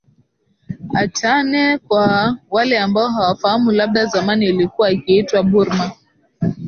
achane kwa wale ambo hawafahamu labda zamani ilikuwa ikiitwa burma